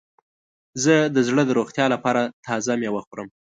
زه د زړه د روغتیا لپاره تازه میوه خورم.